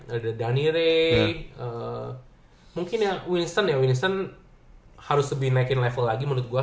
ada dhani ray mungkin winston ya winston harus lebih naikin level lagi menurut gua